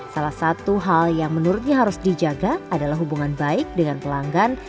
salah satu hal yang menurutnya harus dijaga adalah hubungan baik dengan pelanggan